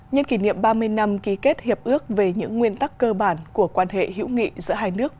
nhân kỷ niệm ba mươi năm ký kết hiệp ước về những nguyên tắc cơ bản của quan hệ hữu nghị giữa hai nước